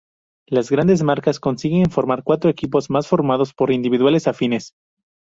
Las grandes marcas consiguen formar cuatro equipos más formados por individuales afines.